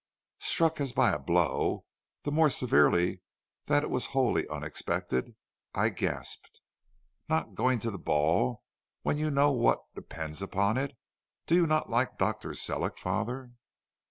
"Struck as by a blow, the more severely that it was wholly unexpected, I gasped: "'Not going to the ball when you know what depends upon it? Do you not like Dr. Sellick, father?'